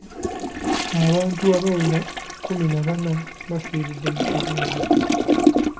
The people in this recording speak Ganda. Abantu abawera kkumi na bana bafiiridde mu kabenje.